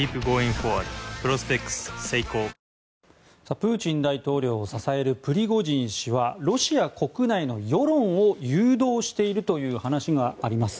プーチン大統領を支えるプリゴジン氏はロシア国内の世論を誘導しているという話があります。